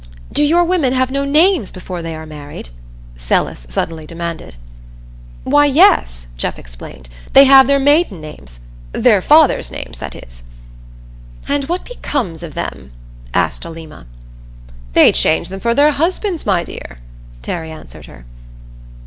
"Do your women have no names before they are married?" Celis suddenly demanded. "Why, yes," Jeff explained. "They have their maiden names their father's names, that is." "And what becomes of them?" asked Alima. "They change them for their husbands', my dear," Terry answered her.